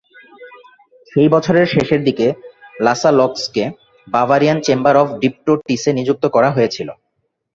সেই বছরের শেষের দিকে, লাসালক্সকে বাভারিয়ান চেম্বার অফ ডিপ্টোটিসে নিযুক্ত করা হয়েছিল।